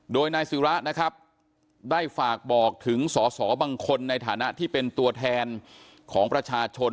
โดยนายศิระนะครับได้ฝากบอกถึงสอสอบางคนในฐานะที่เป็นตัวแทนของประชาชน